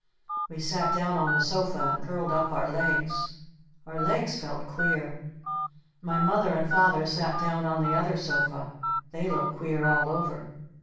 We sat down on the sofa and curled up our legs. Our legs felt queer. My Mother and Father sat down on the other sofa. They looked queer all over.